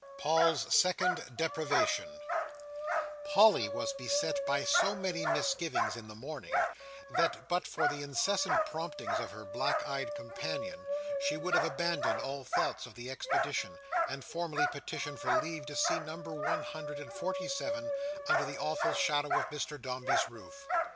Paul's Second Deprivation Polly was beset by so many misgivings in the morning, that but for the incessant promptings of her black eyed companion, she would have abandoned all thoughts of the expedition, and formally petitioned for leave to see number one hundred and forty seven, under the awful shadow of Mr Dombey's roof.